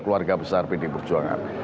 keluarga besar pd perjuangan